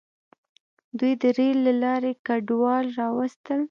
دوی د ریل له لارې کډوال راوستل.